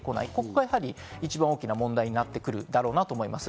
ここが大きな問題となってくるんだろうなと思います。